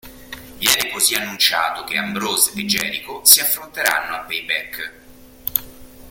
Viene così annunciato che Ambrose e Jericho si affronteranno a Payback.